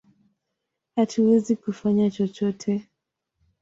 Hatuwezi kufanya chochote!